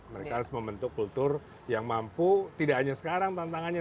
mereka harus membentuk kultur yang mampu tidak hanya sekarang tantangannya